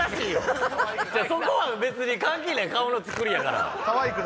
そこは別に関係ない顔のつくりやから。